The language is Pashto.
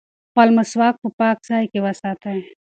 خپل مسواک په پاک ځای کې وساتئ.